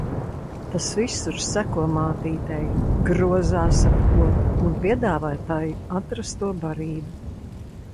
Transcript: Tas visur seko mātītei, grozās ap to un piedāvā tai atrasto barību.